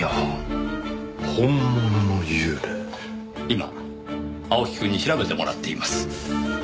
今青木くんに調べてもらっています。